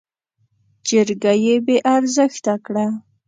جرګه يې بې ارزښته کړه.